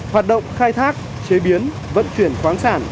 hoạt động khai thác chế biến vận chuyển khoáng sản